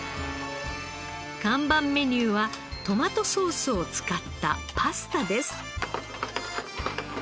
看板メニューはトマトソースを使ったパスタです。